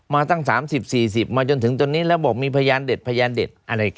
มาตั้ง๓๐๔๐มาจนถึงตอนนี้แล้วบอกมีพยานเด็ดพยานเด็ด